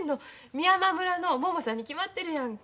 美山村のももさんに決まってるやんか。